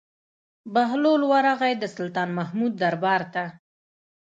بهلول ورغى د سلطان محمود دربار ته.